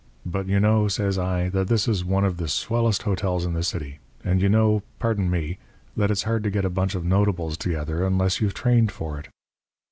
But you know,' says I, 'that this is one of the swellest hotels in the city. And you know pardon me that it's hard to get a bunch of notables together unless you've trained for it.'